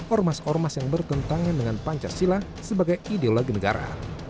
ormas ormas yang bertentangan dengan pancasila sebagai ideologi negara